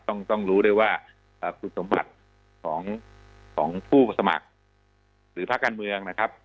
ต้องต้องรู้ด้วยว่าเอ่อคุณสมบัติของของผู้สมัครหรือพระการเมืองนะครับ